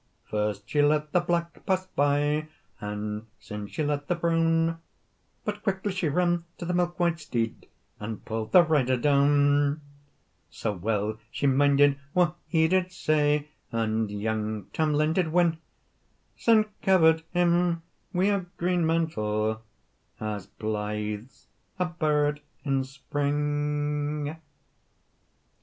First she let the black pass by, And syne she let the brown; But quickly she ran to the milk white steed, And pu'd the rider down, Sae weel she minded whae he did say, And young Tam Lin did win; Syne coverd him wi her green mantle, As blythe's a bird in spring.